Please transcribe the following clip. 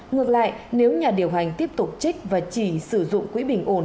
ngược lại nếu nhà điều hành tiếp tục trích và chỉ sử dụng quỹ bình ổn